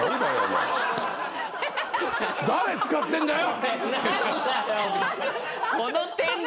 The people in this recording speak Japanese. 誰使ってんだよ！